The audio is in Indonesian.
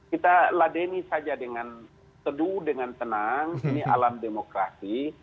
kita ladeni saja dengan teduh dengan tenang ini alam demokrasi